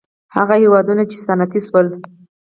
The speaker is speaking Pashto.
هغه هېوادونه چې صنعتي شول.